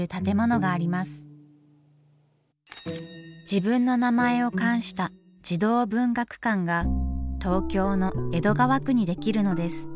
自分の名前を冠した児童文学館が東京の江戸川区にできるのです。